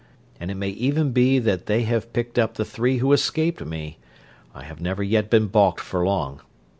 And it may even be that they have picked up the three who escaped me.... I have never yet been balked for long.